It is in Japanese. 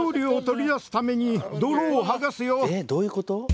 えっどういうこと？